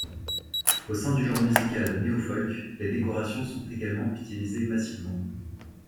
Au sein du genre musical néofolk les décorations sont également utilisées massivement.